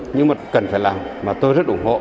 những mật cần phải làm mà tôi rất ủng hộ